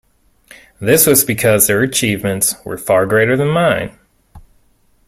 This was because their achievements were far greater than mine.